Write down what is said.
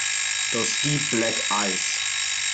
Those deep black eyes!